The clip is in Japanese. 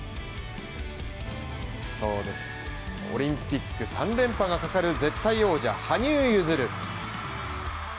そうです、オリンピック３連覇がかかる絶対王者・羽生結弦